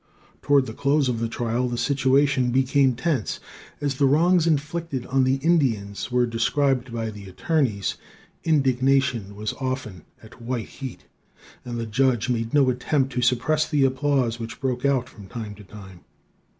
"Toward the close of the trial, the situation became tense. As the wrongs inflicted on the Indians were described by the attorneys, indignation was often at white heat, and the judge made no attempt to suppress the applause which broke out from time to time.